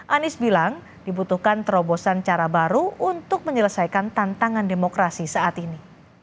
anies bilang dibutuhkan terobosan cara baru untuk menyelesaikan tantangan demokrasi saat ini